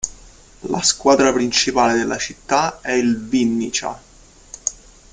La squadra principale della città è il Vinnycja.